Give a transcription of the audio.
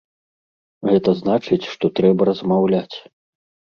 Гэта значыць, што трэба размаўляць.